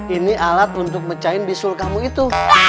ini alat untuk mecahin bisul kamu itu